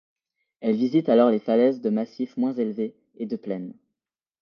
Elle visite alors les falaises des massifs moins élevés et de plaine.